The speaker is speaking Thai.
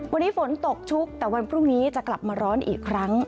วันนี้ฝนตกชุกแต่วันพรุ่งนี้จะกลับมาร้อนอีกครั้ง